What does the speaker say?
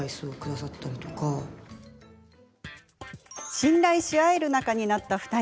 信頼し合える仲になった２人。